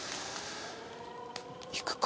行くか。